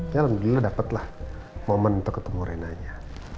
ya alhamdulillah dapet lah momen untuk ketemu renanya